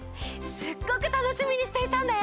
すっごくたのしみにしていたんだよ。